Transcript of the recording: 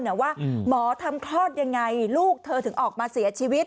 แต่ว่าหมอทำคลอดยังไงลูกเธอถึงออกมาเสียชีวิต